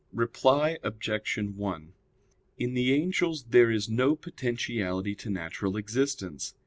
Reply Obj. 1: In the angels there is no potentiality to natural existence.